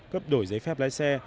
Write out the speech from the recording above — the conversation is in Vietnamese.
cấp đổi giấy phép lái xe